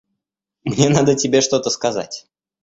Мне надо тебе что-то сказать.